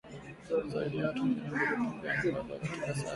zaidi ya watu milioni mbili kukimbia nyumba zao katika Saheli